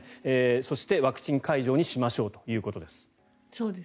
そして、ワクチン会場にしましょうということです。